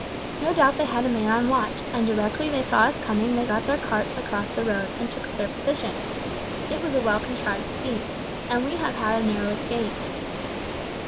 No doubt they had a man on watch, and directly they saw us coming they got their carts across the road, and took up their positions. It was a well contrived scheme, and we have had a narrow escape."